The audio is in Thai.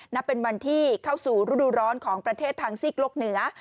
นับเป็นวันที่เข้าสู่ฤดูร้อนของประเทศทางซีกโลกเหนือ